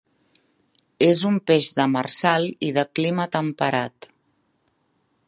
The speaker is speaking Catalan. És un peix demersal i de clima temperat.